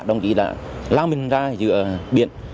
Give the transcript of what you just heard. đồng chí đã lang mình ra giữa biển